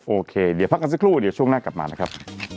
โอเคเดี๋ยวพักกันสักครู่เดี๋ยวช่วงหน้ากลับมานะครับ